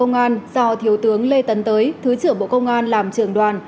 đoàn công tác của bộ công an do thiếu tướng lê tấn tới thứ trưởng bộ công an làm trưởng đoàn